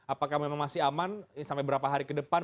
apakah memang masih aman sampai berapa hari ke depan